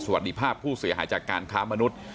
สวัสดีภาพผู้เสียหายจากการค้ามนุษย์